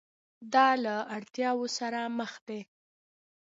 دا له اړتیاوو سره مخ دي.